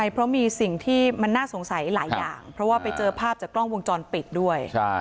เพราะมีสิ่งที่มันน่าสงสัยหลายอย่างเพราะว่าไปเจอภาพจากกล้องวงจรปิดด้วย